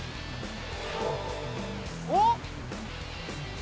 おっ！